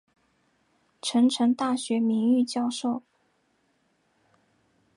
成城大学名誉教授。